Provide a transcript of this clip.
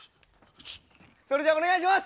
それじゃお願いします。